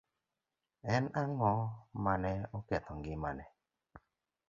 En ang'o ma ne oketho ngimane?